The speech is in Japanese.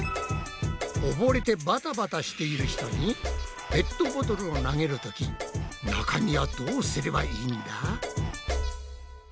おぼれてバタバタしている人にペットボトルを投げる時中身はどうすればいいんだ？